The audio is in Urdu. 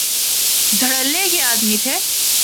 دھڑلے کے آدمی تھے۔